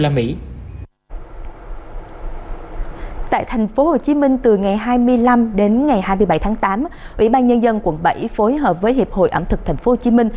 tại tp hcm từ ngày hai mươi năm đến ngày hai mươi bảy tháng tám ủy ban nhân dân quận bảy phối hợp với hiệp hội ẩm thực tp hcm